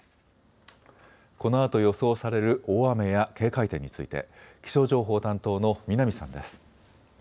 このあと予想される大雨や警戒点について気象情報担当の南さんです。